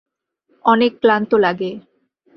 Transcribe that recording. অনেক ক্লান্ত লাগে।